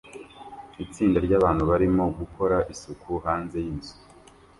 Itsinda ryabantu barimo gukora isuku hanze yinzu